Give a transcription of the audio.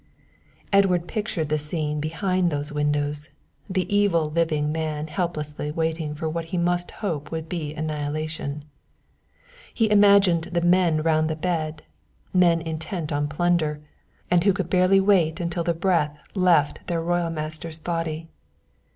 Edward pictured the scene behind those windows, the evil living man helplessly waiting for what he must hope would be annihilation. He imagined the men round the bed, men intent on plunder, and who could barely wait until the breath left their royal master's body.